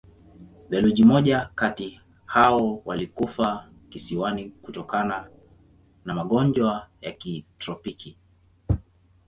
Theluji moja kati hao walikufa kisiwani kutokana na magonjwa ya kitropiki.